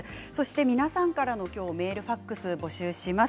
皆さんからのメールファックスを募集します。